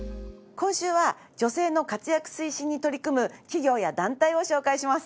今週は女性の活躍推進に取り組む企業や団体を紹介します。